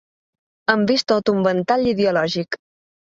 Hem vist tot un ventall ideològic.